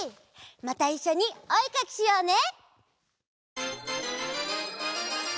またいっしょにおえかきしようね！